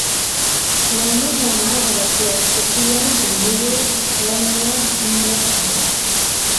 Leur nom rend hommage à la poète Sophia de Mello Breyner Andresen.